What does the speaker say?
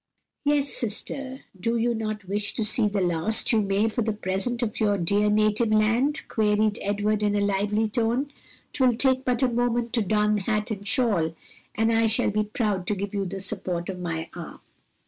"Yes, sister, do you not wish to see the last you may, for the present, of your dear native land?" queried Edward in a lively tone. "'Twill take but a moment to don hat and shawl, and I shall be proud to give you the support of my arm."